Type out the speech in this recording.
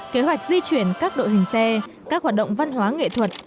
kế hoạch di chuyển các đội hình xe các hoạt động văn hóa nghệ thuật